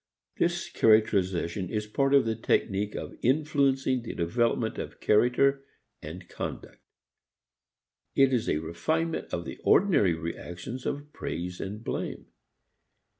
This characterization is part of the technique of influencing the development of character and conduct. It is a refinement of the ordinary reactions of praise and blame.